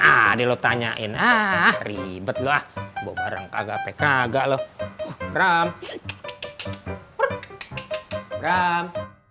tadi lo tanyain ah ribet loh bobaran kagak kagak lo gram gram